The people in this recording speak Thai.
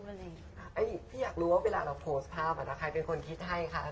พี่อยากรู้ว่าเวลาเราโพสต์ภาพใครเป็นคนคิดให้คะ